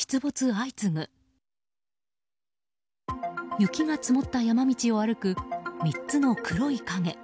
雪が積もった山道を歩く３つの黒い影。